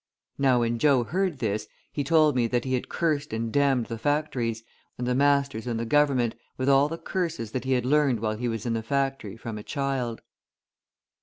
Now when Joe heard this, he told me that he had cursed and damned the factories, and the masters, and the Government, with all the curses that he had learned while he was in the factory from a child.